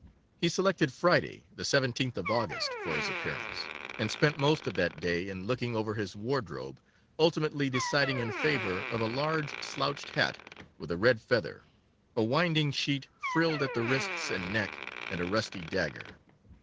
He selected Friday, the 17th of August, for his appearance, and spent most of that day in looking over his wardrobe, ultimately deciding in favour of a large slouched hat with a red feather, a winding sheet frilled at the wrists and neck, and a rusty dagger.